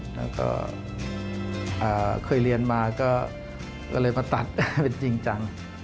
แล้วก็เคยเรียนมาก็เลยมาตัดได้เป็นจริงจัง